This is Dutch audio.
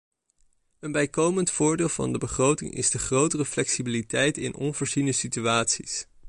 Een bijkomend voordeel van de begroting is de grotere flexibiliteit in onvoorziene situaties.